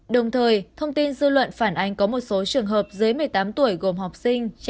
đồng thời thông tin dư luận phản ánh có một số trường hợp dưới một mươi tám tuổi gồm học sinh